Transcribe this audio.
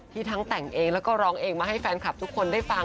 ทั้งแต่งเองแล้วก็ร้องเองมาให้แฟนคลับทุกคนได้ฟัง